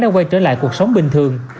đã quay trở lại cuộc sống bình thường